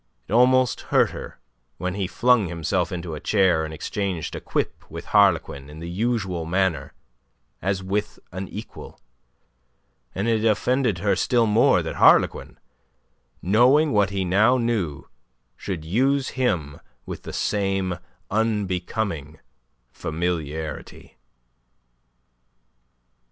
It almost hurt her when he flung himself into a chair and exchanged a quip with Harlequin in the usual manner as with an equal, and it offended her still more that Harlequin, knowing what he now knew, should use him with the same unbecoming familiarity.